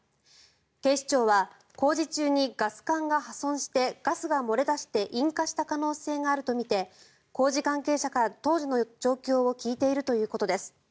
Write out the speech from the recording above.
警視庁は工事中にガス管が破損してガスが漏れ出して引火した可能性があるとみて工事関係者から、当時の状況を聞いているということです。